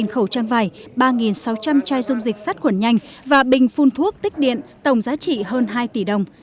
một mươi khẩu trang vải ba sáu trăm linh chai dung dịch sát khuẩn nhanh và bình phun thuốc tích điện tổng giá trị hơn hai tỷ đồng